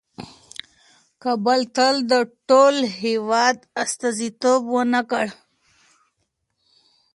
کابل تل د ټول هېواد استازیتوب ونه کړ.